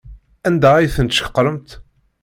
Anda ay tent-tceqremt?